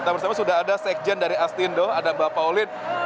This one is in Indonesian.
nah bersama sudah ada sekjen dari astindo ada mbak paulit